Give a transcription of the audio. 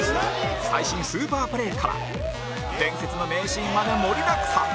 最新スーパープレーから伝説の名シーンまで盛りだくさん！